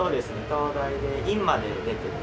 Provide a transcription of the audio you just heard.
東大で院まで出てて。